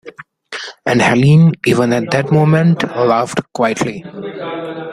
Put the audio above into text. And Helene, even at that moment, laughed quietly.